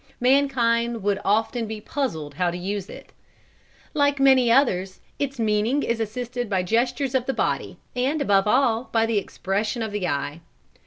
Mankind would often be puzzled how to use it. Like many others, its meaning is assisted by gestures of the body, and, above all, by the expression of the eye.